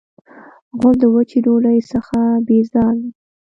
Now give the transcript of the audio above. غول د وچې ډوډۍ څخه بیزار دی.